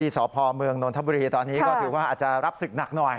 ที่ศภตอนนี้ก็ถือว่าอาจจะรับสึกนักหน่อย